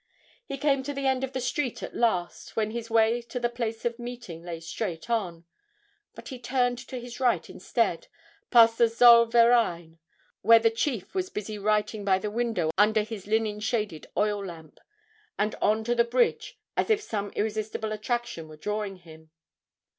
He came to the end of the street at last, when his way to the place of meeting lay straight on, but he turned to his right instead, past the Zoll Verein where the chief was busy writing by the window under his linen shaded oil lamp and on to the bridge as if some irresistible attraction were drawing him.